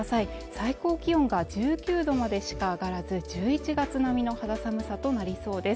最高気温が１９度までしか上がらず１１月並みの肌寒さとなりそうです